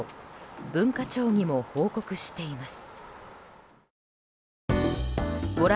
文化庁にも報告しています。